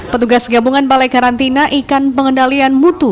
petugas gabungan balai karantina ikan pengendalian mutu